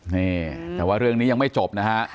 นี่แต่ว่าเรื่องนี้ยังไม่จบนะฮะ